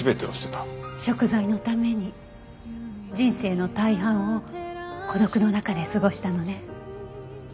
贖罪のために人生の大半を孤独の中で過ごしたのね。